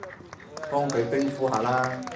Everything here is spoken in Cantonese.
幫佢冰敷下啦